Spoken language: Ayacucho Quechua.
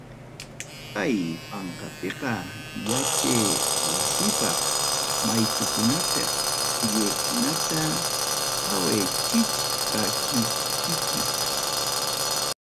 Kay panqapiqa yachay wasipaq maytukunapim willakuykunata qawachichkaykichik.